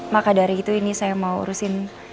maka dari itu ini saya mau urusin